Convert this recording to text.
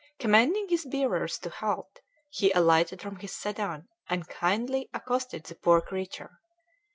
Commanding his bearers to halt, he alighted from his sedan and kindly accosted the poor creature.